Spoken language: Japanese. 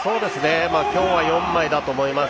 今日は４枚だと思います。